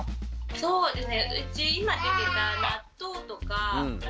そうですね。